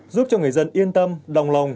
giúp cho người dân yên tâm đồng lòng